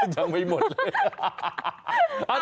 ยังไม่หมดเลย